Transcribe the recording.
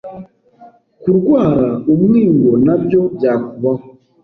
Kurwara umwingo nabyo byakubaho